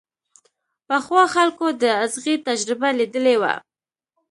پخوا خلکو د ازغي تجربه ليدلې وه.